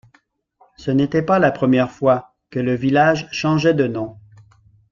Ce n'était pas la première fois que le village changeait de nom.